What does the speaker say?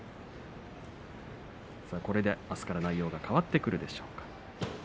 これであすから内容が変わってくるでしょうか。